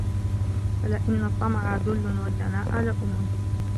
فَلِأَنَّ الطَّمَعَ ذُلٌّ وَالدَّنَاءَةَ لُؤْمٌ